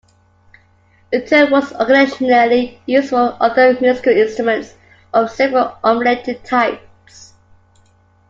The term was occasionally used for other musical instruments of several unrelated types.